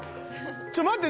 ちょっと待って。